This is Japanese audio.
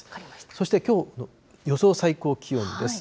そしてきょうの予想最高気温です。